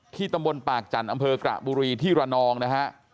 ตำบลปากจันทร์อำเภอกระบุรีที่ระนองนะฮะ